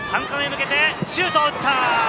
３冠へ向けてシュートを打った。